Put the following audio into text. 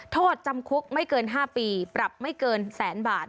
โทษจำคุกไม่เกิน๕ปีปรับไม่เกินแสนบาท